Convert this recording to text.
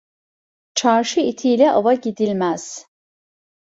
Çarşı itiyle ava gidilmez